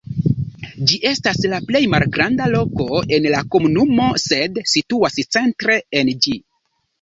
Ĝi estas la plej malgranda loko en la komunumo, sed situas centre en ĝi.